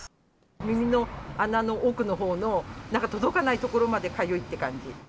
耳の穴の奥のほうの、なんか届かない所までかゆいって感じ。